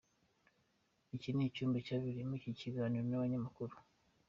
Iki ni icyumba cyabereyemo iki kiganiro n'abanyamakuru.